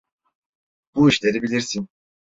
Bu işleri bilirsin.